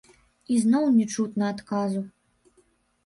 Ізноў не чутна адказу.